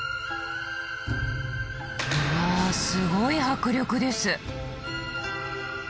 うわすごい迫力です！